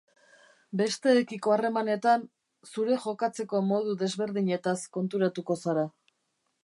Besteekiko harremanetan, zure jokatzeko modu desberdinetaz konturatuko zara.